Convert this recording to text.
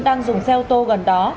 đang dùng xe ô tô gần đó